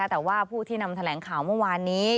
แต่ว่าผู้ที่นำแถลงข่าวเมื่อวานนี้